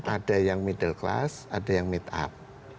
ada yang middle class ada yang meet up